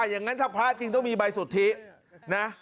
อย่างนั้นถ้าพระจริงต้องมีใบสุทธินะ